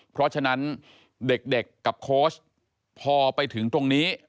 เพราะฉะนั้นเด็กกับโค้ชพอไปถึงตรงนี้